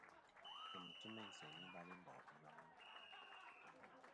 Kfɨ̀m ti meyn seyn i balingo' iyoni.